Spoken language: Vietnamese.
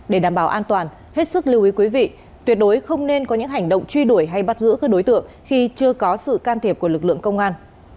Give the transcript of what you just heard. để đảm bảo an toàn hết sức lưu ý quý vị tuyệt đối không nên có những hành động truy đuổi hay bắt giữ các đối tượng khi chưa có sự can thiệp của lực lượng công an